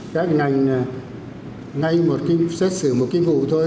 các ngành ngay một cái xét xử một cái vụ thôi